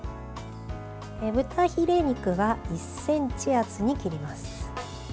豚ヒレ肉は１ｃｍ厚に切ります。